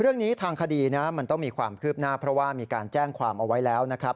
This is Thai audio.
เรื่องนี้ทางคดีนะมันต้องมีความคืบหน้าเพราะว่ามีการแจ้งความเอาไว้แล้วนะครับ